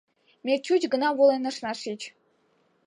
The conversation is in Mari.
Ме чуч гына волен ышна шич.